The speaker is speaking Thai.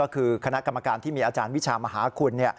คือคณะกรรมการที่มีอาจารย์วิชามหาคุณ